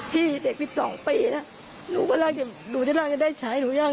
พี่เด็ก๑๒ปีนะหนูจะได้ใช้หนูยัง